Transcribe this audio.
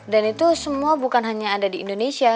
dan itu semua bukan hanya ada di indonesia